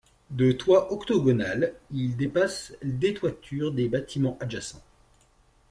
De toit octogonal, il dépasse des toitures des bâtiments adjacents.